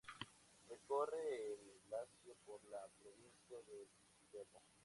Recorre el Lacio, por la provincia de Viterbo.